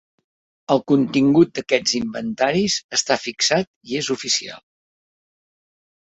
El contingut d'aquests inventaris està fixat i és oficial.